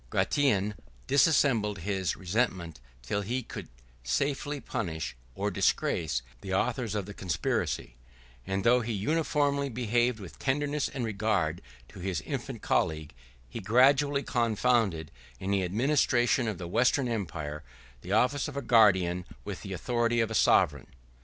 Gratian dissembled his resentment till he could safely punish, or disgrace, the authors of the conspiracy; and though he uniformly behaved with tenderness and regard to his infant colleague, he gradually confounded, in the administration of the Western empire, the office of a guardian with the authority of a sovereign.